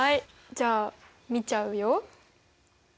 じゃあ見ちゃうよ。